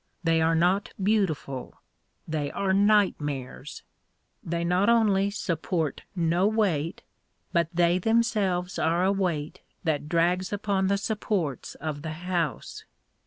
They are not beautiful. They are nightmares. They not only support no weight, but they themselves are a weight that drags upon the supports of the house.